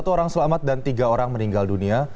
satu orang selamat dan tiga orang meninggal dunia